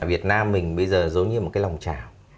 việt nam mình bây giờ giống như một cái lòng trào